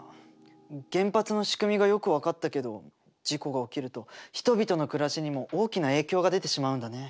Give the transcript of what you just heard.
原発のしくみがよく分かったけど事故が起きると人々の暮らしにも大きな影響が出てしまうんだね。